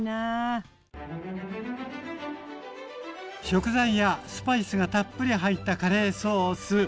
食材やスパイスがたっぷり入ったカレーソース。